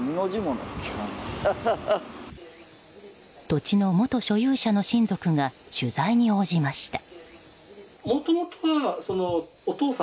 土地の元所有者の親族が取材に応じました。